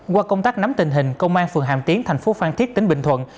qua công tác nắm tình hình công an phường hàm tiến thành phố phan thiết tỉnh bình thuận